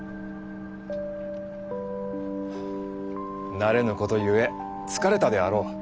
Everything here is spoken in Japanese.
慣れぬことゆえ疲れたであろう。